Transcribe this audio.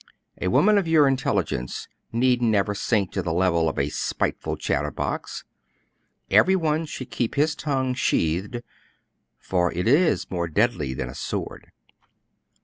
A woman of your intelligence need never sink to the level of a spiteful chatterbox; every one should keep his tongue sheathed, for it is more deadly than a sword.